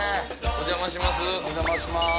お邪魔します。